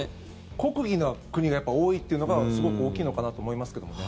国技な国が多いというのがすごく大きいのかなと思いますけどもね。